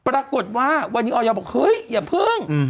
ปรากฏว่าวันนี้ออยบอกเฮ้ยอย่าเพิ่ง